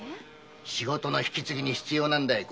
仕事の引き継ぎに必要なんだ。